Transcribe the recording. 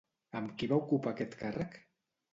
Amb qui va ocupar aquest càrrec?